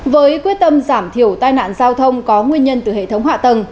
với quyết tâm giảm thiểu tai nạn giao thông có nguyên nhân từ hệ thống hạ tầng